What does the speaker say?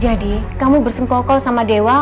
jadi kamu bersemkukau sama dewa